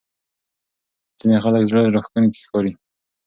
ځینې خلک زړه راښکونکي ښکاري.